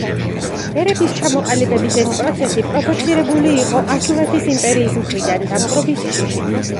ერების ჩამოყალიბების ეს პროცესი პროვოცირებული იყო ასურეთის იმპერიის მხრიდან დაპყრობის შიშით.